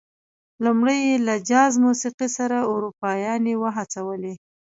لومړی یې له جاز موسيقۍ سره اروپايانې وهڅولې.